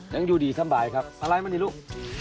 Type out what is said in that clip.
ยังอยู่ดีสำบายครับมาลัยมันอยู่ลูก